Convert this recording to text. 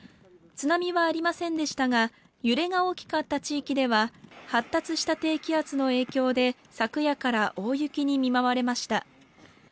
津波はありませんでしたが揺れが大きかった地域では発達した低気圧の影響で昨夜から大雪に見舞われました。